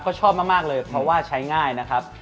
ก็ชอบมากเลยเพราะว่าใช้ง่ายนะครับ